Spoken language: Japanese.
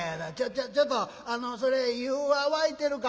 ちょちょっとあのそれ湯は沸いてるか？」。